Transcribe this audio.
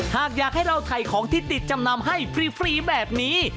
หากอยากให้เราถ่ายของที่ติดจำนำให้ฟรีแบบนี้